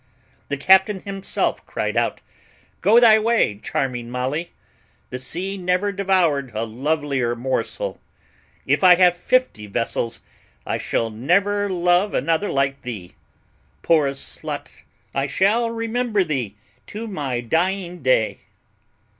The captain himself cried out, 'Go thy way, charming Molly, the sea never devoured a lovelier morsel. If I have fifty vessels I shall never love another like thee. Poor slut! I shall remember thee to my dying day.'